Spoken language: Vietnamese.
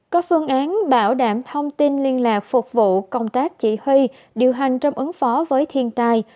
có phương án bảo đảm thông tin liên lạc phục vụ công tác chỉ huy điều hành trong ứng phó với thiên tai